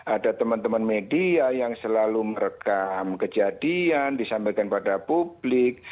ada teman teman media yang selalu merekam kejadian disampaikan pada publik